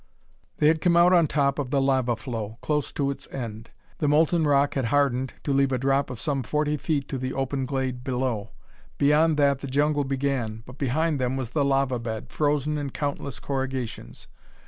They had come out on top of the lava flow, close to its end. The molten rock had hardened to leave a drop of some forty feet to the open glade below. Beyond that the jungle began, but behind them was the lava bed, frozen in countless corrugations.